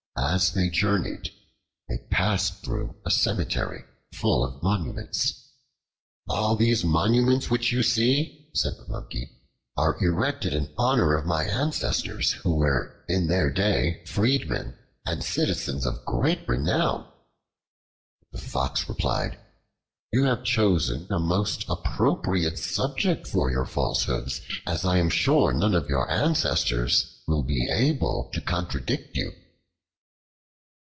As they journeyed, they passed through a cemetery full of monuments. "All these monuments which you see," said the Monkey, "are erected in honor of my ancestors, who were in their day freedmen and citizens of great renown." The Fox replied, "You have chosen a most appropriate subject for your falsehoods, as I am sure none of your ancestors will be able to contradict you."